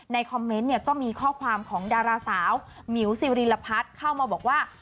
คอมเมนต์เนี่ยก็มีข้อความของดาราสาวหมิวซิริลพัฒน์เข้ามาบอกว่า